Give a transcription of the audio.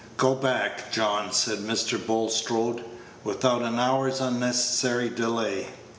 "Go back, John," said Mr. Bulstrode, "without an hour's unnecessary delay.